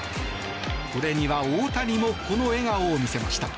これには大谷もこの笑顔を見せました。